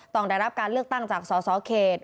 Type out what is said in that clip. ต้องได้รับการเลือกตั้งจากสสเขต